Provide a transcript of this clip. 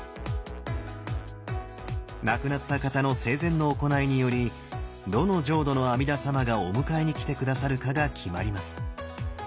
亡くなった方の生前の行いによりどの浄土の阿弥陀様がお迎えに来て下さるかが決まります。